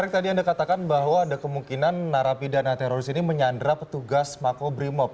tadi anda katakan bahwa ada kemungkinan narapidana teroris ini menyandra petugas makobrimob